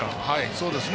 そうですね。